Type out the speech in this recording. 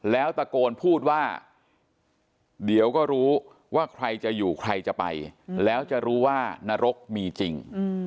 แล้วตะโกนพูดว่าเดี๋ยวก็รู้ว่าใครจะอยู่ใครจะไปแล้วจะรู้ว่านรกมีจริง